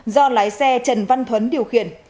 do lái xe trần văn thuấn điều khiển